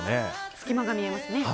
隙間が見えますね。